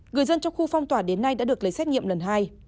người dân trong khu phong tỏa đến nay đã được lấy xét nghiệm lần hai